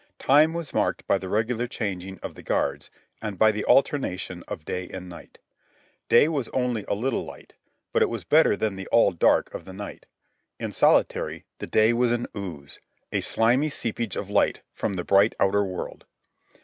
Time was marked by the regular changing of the guards, and by the alternation of day and night. Day was only a little light, but it was better than the all dark of the night. In solitary the day was an ooze, a slimy seepage of light from the bright outer world.